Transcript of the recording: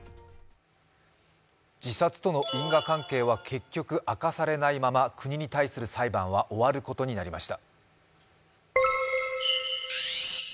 自殺との因果関係は結局明かされないまま国に対する裁判は終わることになりました。